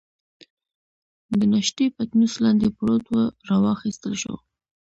د ناشتې پتنوس لاندې پروت وو، را واخیستل شو.